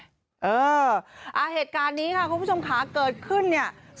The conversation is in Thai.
เอออ่าเหตุการณ์นี้ค่ะคุณผู้ชมค่ะเกิดขึ้นเนี่ย